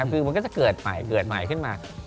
คือมันก็จะเกิดใหม่ขึ้นมา